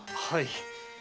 はい。